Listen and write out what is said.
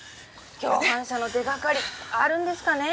共犯者の手がかりあるんですかね？